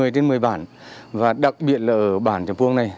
một mươi trên một mươi bản và đặc biệt là ở bản trầm puông này